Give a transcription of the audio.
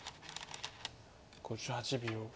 ５８秒。